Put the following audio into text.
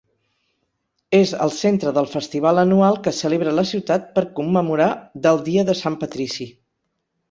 És el centre del festival anual que celebra la ciutat per commemorar del Dia de Sant Patrici.